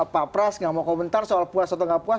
pak pras nggak mau komentar soal puas atau nggak puas